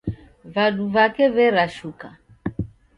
Vadu vake verashuka